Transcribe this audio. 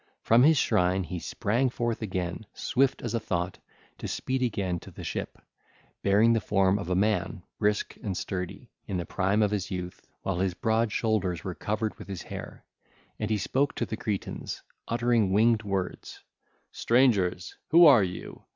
From his shrine he sprang forth again, swift as a thought, to speed again to the ship, bearing the form of a man, brisk and sturdy, in the prime of his youth, while his broad shoulders were covered with his hair: and he spoke to the Cretans, uttering winged words: (ll. 452 461) 'Strangers, who are you?